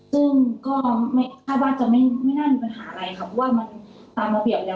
ซึ่งก็ไม่คาดว่าจะไม่น่ามีปัญหาอะไรค่ะเพราะว่ามันตามระเบียบแล้ว